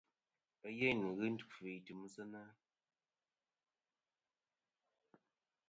Ɨyêyn nɨ̀n ghɨ nkfɨ i timsɨnɨ.